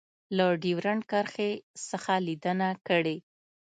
له ډیورنډ کرښې څخه لیدنه کړې